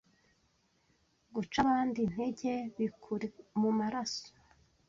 Guca abandi intege bikuri mumaraso,